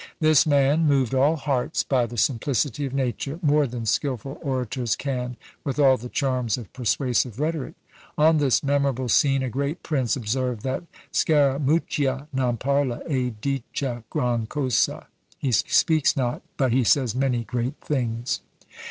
This man moved all hearts by the simplicity of nature, more than skilful orators can with all the charms of persuasive rhetoric." On this memorable scene a great prince observed that "Scaramuccia non parla, e dica gran cosa:" "He speaks not, but he says many great things."